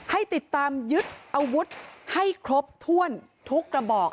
ให้ติดตามยึดอาวุธให้ครบถ้วนทุกกระบอก